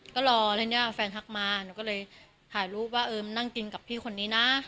ก็รอแฟนทักมาหนูก็เลยหายรูปว่าเออนั่งกินกับพี่คนนี้นะ